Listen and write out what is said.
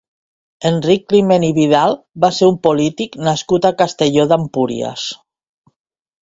Enric Climent i Vidal va ser un polític nascut a Castelló d'Empúries.